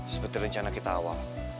seperti rencana kita awal